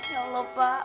ya allah pak